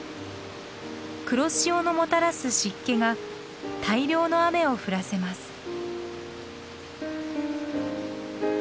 黒潮のもたらす湿気が大量の雨を降らせます。